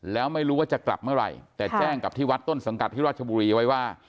แล้วไม่รู้ว่าจะกลับเมื่อไหร่แต่แจ้งกับที่วัดต้นสังกัดที่ราชบุรีไว้ว่า